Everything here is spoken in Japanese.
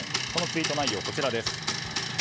その内容がこちらです。